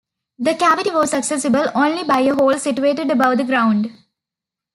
The cavity was accessible only by a hole situated above the ground.